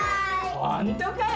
ほんとかよ。